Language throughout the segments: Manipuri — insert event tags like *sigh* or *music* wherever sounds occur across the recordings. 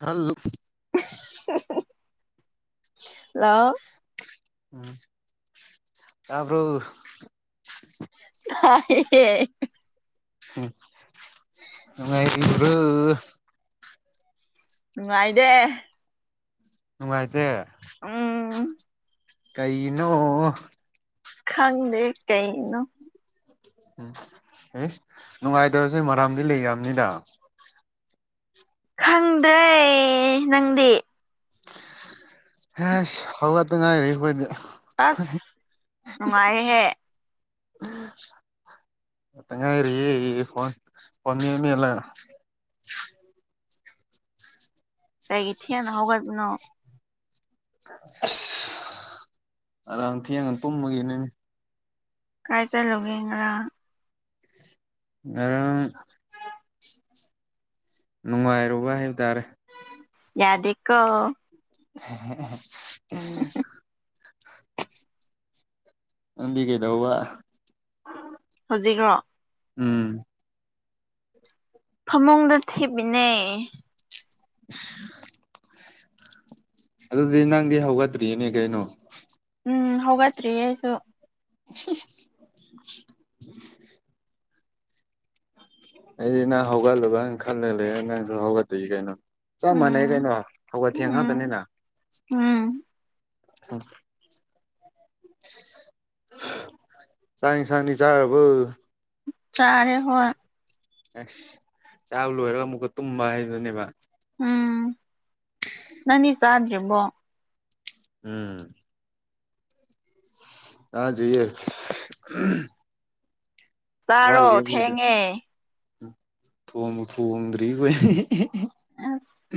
ꯍꯜꯂꯨ ꯍꯜꯂꯣ ꯎꯝ ꯇꯕ꯭ꯔꯣ ꯍꯥꯏꯦ ꯍꯦ ꯉꯥꯏ ꯏ꯭ꯔꯣ ꯅꯨꯡꯉꯥꯏꯗꯦ ꯅꯨꯡꯉꯥꯏꯇꯦ ꯎꯝ ꯀꯩꯅꯣ ꯈꯪꯕꯦ ꯀꯩꯅꯣ ꯎꯝ ꯑꯦ ꯅꯨꯡꯉꯥꯏꯇꯕꯁꯦ ꯃꯔꯥꯝꯗꯤ ꯂꯩꯅꯤꯗ ꯈꯪꯗ꯭ꯔꯦ ꯅꯪꯗꯤ ꯍꯦ ꯍꯧꯗ ꯉꯥꯏꯔ ꯍꯣꯏ ꯑꯁ ꯅꯨꯡꯉꯥꯏꯔꯦꯍꯦ ꯃꯠꯇꯉꯥꯏꯔꯤ ꯐꯅꯤꯂ ꯀꯥꯏꯒꯤ ꯏ ꯊꯌꯥꯅꯍꯧꯕꯒ ꯀꯅꯣ ꯑꯔꯥꯡ ꯊꯦꯡꯒ ꯄꯨꯝꯃꯒꯤꯅꯦꯅꯦ ꯀꯥꯏ ꯆꯠꯂꯨꯒꯦꯒ꯭ꯔꯥ ꯑꯔ ꯅꯨꯡꯉꯥꯏꯔꯨꯕ ꯍꯥꯏꯕ ꯇꯥꯔꯦ ꯌꯥꯗꯀꯣ ꯎꯝ ꯅꯗꯤ ꯀꯩꯗꯎ ꯋꯥ ꯍꯧꯖꯤꯛꯈ꯭ꯔꯣ ꯎꯝ ꯐꯃꯨꯡꯗ ꯊꯤꯃꯤꯅꯦ ꯑꯗꯨꯗꯤ ꯅꯪꯗꯤ ꯍꯧꯒꯠꯇ꯭ꯔꯤꯅꯦ ꯀꯩꯅꯣ ꯎꯝ ꯍꯒꯇ꯭ꯔꯤ ꯑꯩꯁꯨ *unintelligible* ꯑꯩꯗꯤ ꯅꯍ ꯍꯧꯒꯠꯂꯨꯕꯅ ꯈꯜꯂꯂ ꯅꯪꯁꯨ ꯍꯧꯒꯠꯠꯇꯣꯏꯏ ꯀꯩꯅꯣ ꯆꯞ ꯃꯥꯟꯅꯩ ꯎꯝ ꯀꯩꯅꯣ ꯍꯧꯒꯠ ꯊꯦꯡ ꯎꯝ ꯉꯥꯛꯇꯅꯤꯅ ꯎꯝ ꯎ ꯆ ꯁꯅꯤ ꯆꯥꯕꯨ ꯆꯥꯔꯦ ꯍꯣꯏ ꯑꯁ ꯆꯕ ꯂꯣꯏꯔꯒ ꯑꯃꯨꯛꯀ ꯇꯨꯝꯕ ꯍꯥꯏꯗꯨꯅꯦꯕ ꯎꯝ ꯅꯅꯤ ꯁꯥꯥꯕꯣ ꯎꯝ ꯑꯥꯖꯣꯏꯌꯦ ꯆꯥꯔꯣ ꯋꯥꯂꯕꯗ ꯊꯦꯡꯉꯦ ꯊꯣꯡ ꯊꯣꯡꯣꯡꯗ꯭ꯔꯤ ꯑꯁ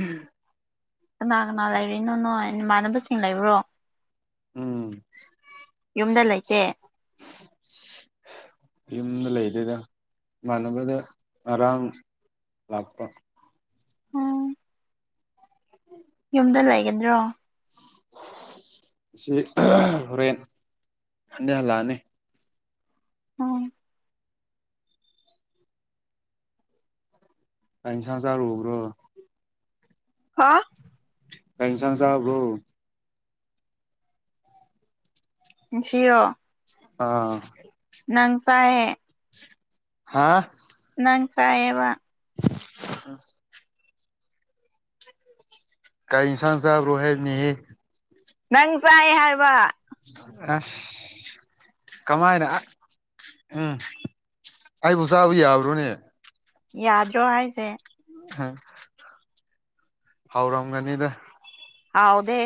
ꯀꯅꯥ ꯀꯅꯥ ꯂꯩꯔꯤꯛꯏꯅꯣ ꯅꯣ ꯏꯃꯥꯟꯅꯕꯁꯤꯡ ꯂꯩꯕ꯭ꯔꯣ *inaudible* ꯌꯨꯝꯗ ꯂꯩꯇꯦ ꯌꯨꯝꯗ ꯂꯩꯗꯗ ꯏꯃꯥꯟꯅꯕꯗ ꯑꯔꯥꯡ ꯂꯥꯛꯄ ꯎꯝ ꯎꯝ ꯌꯨꯝꯗ ꯂꯩꯒꯗ꯭ꯔꯣ ꯑꯁꯤ ꯍꯣꯔꯦꯟ ꯍꯟꯗꯤ ꯍꯜꯂꯛꯑꯅꯤ ꯎꯝ ꯀꯩꯁꯥꯡꯟ ꯆꯔ ꯍꯕ꯭ꯔꯣ ꯍꯥ ꯇꯪ ꯁꯪ ꯆꯕꯕꯨ ꯏꯁꯤꯌꯣ ꯑꯥ ꯅꯪꯁꯍꯦ ꯍꯥꯥ ꯅꯪ ꯁꯥꯌꯦ ꯎꯝ ꯀꯥꯏ ꯏꯟꯁꯥꯡ ꯆꯥꯕ꯭ꯔꯣ ꯍꯥꯏꯕꯅꯤꯍꯦ ꯅꯪ ꯆꯥꯏ ꯍꯥꯏꯕ ꯑꯁ ꯀꯃꯥꯏꯅ ꯎꯝ ꯑꯩꯕꯨ ꯆꯥꯕ ꯌꯥꯕ꯭ꯔꯣꯅꯦ ꯌꯥꯗ꯭ꯔꯣ ꯍꯥꯏꯁꯦ ꯍꯧꯎꯔꯒꯅꯤꯗ ꯍꯥꯎꯗꯦ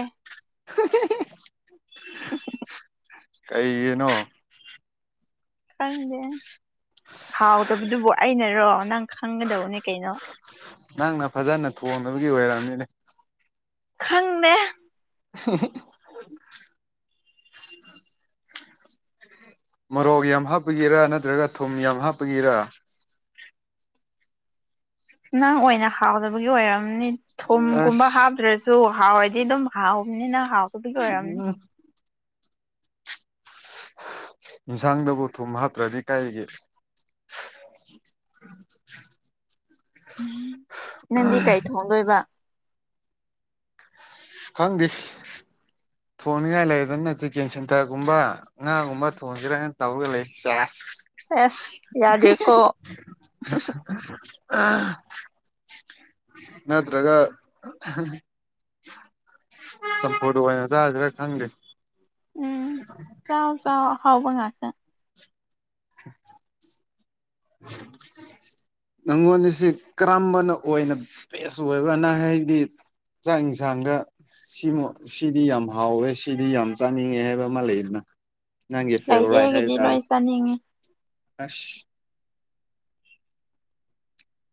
*unintelligible* *unintelligible* ꯀꯩ ꯌꯦꯅꯣ ꯈꯪꯗꯦ ꯍꯥꯎꯗꯕꯗꯨꯕꯨ ꯑꯩꯅꯔꯣ ꯅꯪ ꯈꯪꯒꯗꯧꯕꯅꯦ ꯀꯩꯅꯣ ꯅꯪꯅ ꯐꯖꯅ ꯊꯣꯡꯅꯕꯒꯤ ꯑꯣꯏꯔꯕꯝꯅꯤꯅꯦ ꯈꯪꯅꯦ *unintelligible* ꯃꯣꯔꯣꯛ ꯌꯥꯝ ꯍꯥꯞꯄꯒꯤꯔ ꯅꯠꯇ꯭ꯔꯒ ꯊꯨꯝ ꯌꯥꯝ ꯍꯥꯞꯄꯒꯤꯔ ꯅꯪ ꯑꯣꯏꯅ ꯍꯥꯎꯗꯕꯒꯤ ꯑꯣꯏꯔꯝꯅꯤ ꯑꯁ ꯊꯨꯝꯒꯨꯝꯕ ꯍꯥꯞꯇ꯭ꯔꯁꯨ ꯁ ꯍꯥꯎꯔꯗꯤ ꯑꯗꯨꯝ ꯍꯥꯎꯕꯅꯤꯅ ꯍꯥꯎꯗꯨꯕꯒꯤ ꯑꯣꯏꯔꯕꯝꯅꯤ ꯎꯝ ꯌꯦꯟꯁꯥꯡꯗꯕꯨ ꯊꯨꯝ ꯍꯥꯞꯇ꯭ꯔꯗꯤ ꯀꯥꯏꯒꯤ ꯎ ꯅꯪꯗꯤ ꯀꯩ ꯊꯣꯡꯗꯣꯏꯕ ꯈꯪꯗꯦ ꯊꯣꯡꯅꯤꯡꯉꯥꯏ ꯂꯩꯗꯅ ꯆꯤꯀꯦꯟ ꯁꯦꯟꯇꯔꯒꯨꯝꯕ ꯉꯥꯒꯨꯝꯕ ꯊꯣꯡꯁꯤꯔꯅ ꯇꯧꯒ ꯂꯩ ꯐꯦꯁ ꯌꯥꯗꯦꯀꯣ ꯅꯠꯇ꯭ꯔꯒ ꯆꯝ ꯐꯣ ꯋꯥ ꯆꯖꯔ ꯊꯪ ꯎꯝ ꯆꯥꯎ ꯆꯥꯎ ꯍꯥꯎꯕ ꯉꯥꯛꯥꯁꯦ ꯑ *inaudible* ꯅꯪꯉꯣꯟ ꯑꯁꯤ ꯀꯔꯝꯕꯅ ꯑꯣꯏꯅ ꯕꯦꯁ ꯑꯣꯏꯕꯅ ꯍꯥꯏꯕꯗꯤ ꯆꯥꯛ ꯌꯦꯟꯁꯥꯡꯗ ꯁꯤꯃꯨ ꯁꯤꯗꯤ ꯌꯥꯝ ꯍꯥꯎꯋꯦ ꯁꯤꯗꯤ ꯌꯥꯝ ꯆꯥꯅꯤꯡꯉꯦ ꯍꯥꯏꯕ ꯑꯃ ꯂꯩꯗꯅ ꯅꯪꯒꯤ ꯂꯩꯇꯦ ꯐꯦꯕꯔꯥꯏ ꯍꯥꯏ ꯑꯩꯒꯤꯗꯤ ꯇꯥꯔꯦ ꯂꯣꯏ ꯆꯥꯅꯤꯡꯉꯤ ꯑꯁ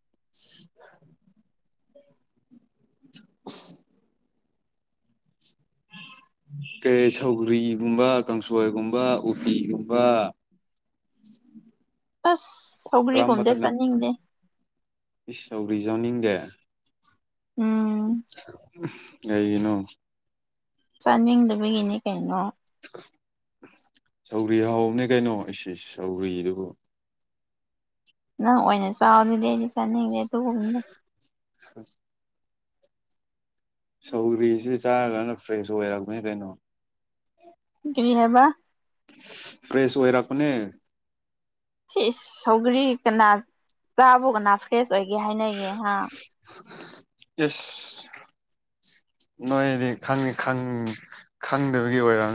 *inaudible* *inaudible* ꯇꯦ ꯁꯧꯒ꯭ꯔꯤꯒꯨꯝꯕ ꯀꯥꯡꯁꯣꯏꯒꯨꯝꯕ ꯎꯇꯤꯒꯨꯝꯕ ꯑꯁ ꯁꯧꯒ꯭ꯔꯤꯒꯨꯝꯗꯤ ꯀꯔꯝꯕꯗꯅ ꯆꯥꯅꯤꯡꯗꯦ ꯏꯁ ꯁꯧꯒ꯭ꯔꯤ ꯆꯥꯅꯤꯡꯗꯦ ꯎꯝ ꯀꯩꯒꯤꯅꫭ ꯆꯥꯅꯤꯡꯗꯕꯒꯤꯅꯤ ꯀꯩꯅꯣ ꯁꯧꯒ꯭ꯔꯤ ꯍꯥꯎꯕꯅꯦ ꯀꯩꯅꯣ ꯏꯁ ꯏꯁ ꯁꯧꯒ꯭ꯔꯤꯗꯨꯕꯨ ꯅꯪ ꯑꯣꯏꯅ ꯆꯥꯎ ꯑꯗꯨꯗꯤ ꯑꯩꯗꯤ ꯆꯥꯅꯤꯡꯗꯦ ꯑꯗꯨꯒꯨꯝꯕꯗꯨ *inaudible* ꯁꯧꯒ꯭ꯔꯤꯁꯤ ꯆꯥꯔꯒꯅ ꯐ꯭ꯔꯦꯁ ꯑꯣꯏ ꯍꯥꯏꯕꯅꯦ ꯀꯩꯅꯣ ꯀꯔꯤ ꯍꯥꯏꯕ ꯐ꯭ꯔꯦꯁ ꯑꯣꯏꯔꯛꯄꯅꯦ ꯁꯤꯁ ꯁꯧꯒ꯭ꯔꯤ ꯀꯅꯥ ꯆꯥꯕꯨ ꯀꯅꯥ ꯐ꯭ꯔꯦꯁ ꯑꯣꯏꯒꯦ ꯍꯥꯏꯅꯒꯦ ꯍꯥ ꯏꯁ ꯃꫭꯏꯗꯤ ꯈꯪꯉꯤ ꯈꯪ ꯈꯪꯗꯕꯒꯤ ꯑꯣꯏꯔꯝ